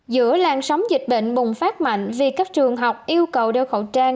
giữa làn sóng dịch bệnh bùng phát mạnh vì các trường học yêu cầu đeo khẩu trang